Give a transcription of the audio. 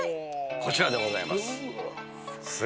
こちらでございます。